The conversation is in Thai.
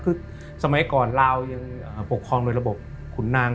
คือสมัยก่อนลาวยังปกครองโดยระบบขุนนาง